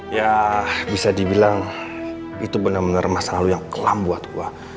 ya bisa dibilang itu bener bener masalah lo yang kelam buat gua